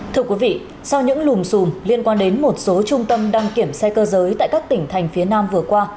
thưa quý vị sau những lùm xùm liên quan đến một số trung tâm đăng kiểm xe cơ giới tại các tỉnh thành phía nam vừa qua